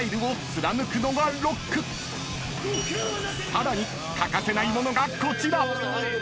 ［さらに欠かせない物がこちら］